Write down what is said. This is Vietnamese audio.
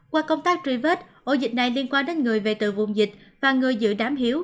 qua công tác truy vết ổ dịch này liên quan đến người về từ vùng dịch và người giữ đám hiếu